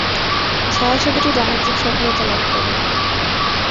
ছায়াছবিটি বাণিজ্যিক সফলতা লাভ করে।